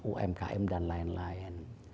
umkm dan lain lain